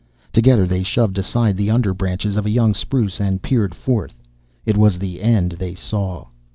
Together they shoved aside the under branches of a young spruce and peered forth. It was the end they saw.